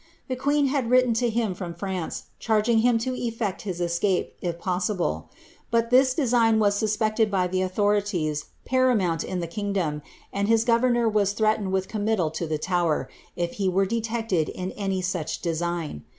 The queen bad written to him from France, charging him to effect his escape, if poasible ;* but this design was suspected by the authorities paramount in the kingdom, and his governor was threatened with committal to the Tower, if he were detected in any such design.